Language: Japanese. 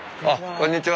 こんにちは。